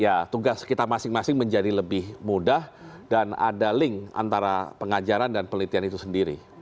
ya tugas kita masing masing menjadi lebih mudah dan ada link antara pengajaran dan pelitian itu sendiri